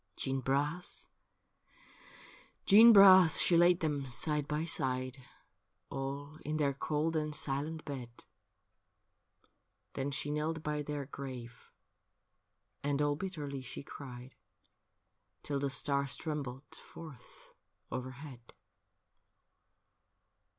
Jeanne Bras, Jeanne Bras, she laid them side by side, All in their cold and silent bed ; Then she knelt by their grave, and all bitterly she cried Till the stars trembled forth overhead.